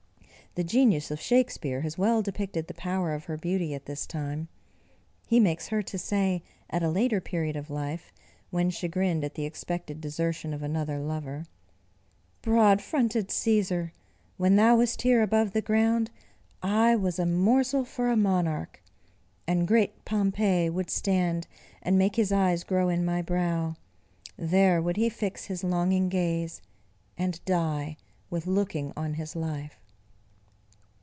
The genius of Shakspeare has well depicted the power of her beauty at this time. He makes her to say, at a later period of life, when chagrined at the expected desertion of another lover, "Broad fronted Cæsar! When thou wast here above the ground, I was A morsel for a monarch: And great Pompey Would stand, and make his eyes grow in my brow; There would he fix his longing gaze, and die With looking on his life."